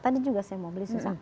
tadi juga saya mau beli susah